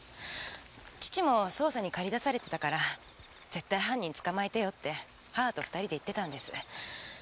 父も捜査に借り出されてたから絶対犯人捕まえてよって母と２人で言ってたんです。